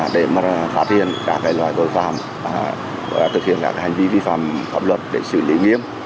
để phát hiện các loại tội phạm và thực hiện các hành vi vi phạm pháp luật để xử lý nghiêm